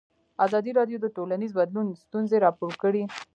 ازادي راډیو د ټولنیز بدلون ستونزې راپور کړي.